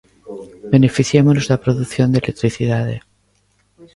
Beneficiémonos da produción de electricidade.